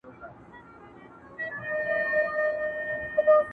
پښتنې سترګي دي و لیدې نرګسه.